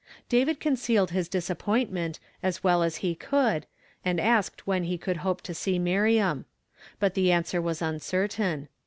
David concealed his disappointment as well as he could, and asked when he could hope to see Miriam. But the answer was uncertain.